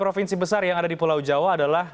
provinsi besar yang ada di pulau jawa adalah